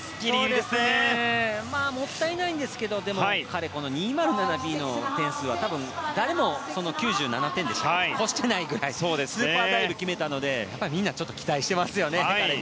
もったいないんですが彼、２０７Ｂの点数は誰も超していないぐらいスーパーダイブを決めたのでやっぱりみんな期待していますよね。